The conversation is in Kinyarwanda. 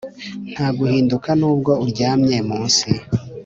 nta gihinduka nubwo uryamye munsi